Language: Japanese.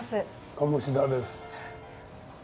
鴨志田です。